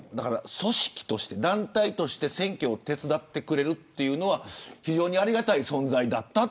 組織として団体として選挙を手伝ってくれるというのは非常にありがたい存在だった。